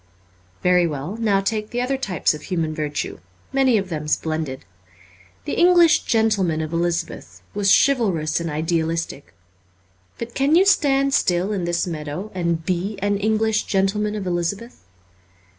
Very well ; now take the other types of human virtue : many of them splendid. The English gentleman of Elizabeth was chivalrous and idealistic. But can you stand still in this meadow and be an English gentleman of Elizabeth